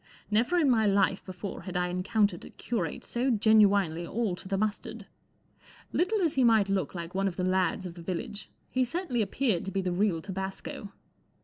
Never in my life before had I encountered a curate so genuinely all to the mustard. Little as he might look like one of the lads of the village, he certainly appeared to be the real tabasco.